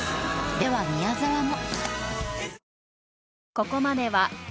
では宮沢も。